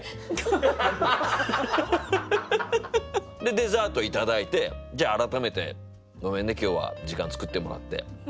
デザート頂いてじゃあ改めて「ごめんね今日は時間作ってもらって。